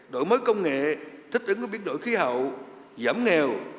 đổi mới công nghệ thích ứng với biến đổi khí hậu giảm nghèo